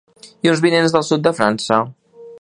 i uns vinets del sud de França